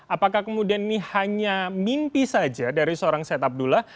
apakah kemudian ini hanya mimpi saja dari seorang said abdullah